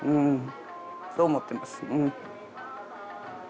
そう思ってますうん。